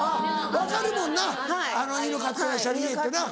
分かるもんな犬飼ってらっしゃる家ってな。